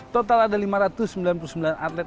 total ada lima ratus sembilan puluh sembilan atlet